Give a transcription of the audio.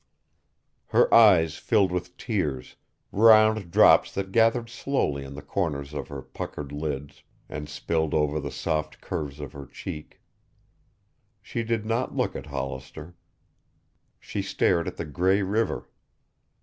Her eyes filled with tears, round drops that gathered slowly in the corners of her puckered lids and spilled over the soft curves of her cheek. She did not look at Hollister. She stared at the gray river.